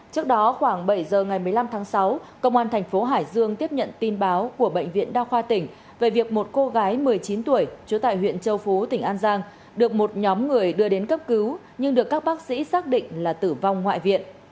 trước đó khoảng bảy giờ ngày một mươi năm tháng sáu công an thành phố hải dương tiếp nhận tin báo của bệnh viện đa khoa tỉnh về việc một cô gái một mươi chín tuổi trú tại huyện châu phú tỉnh an giang được một nhóm người đưa đến cấp cứu nhưng được các bác sĩ xác định là tử vong ngoại viện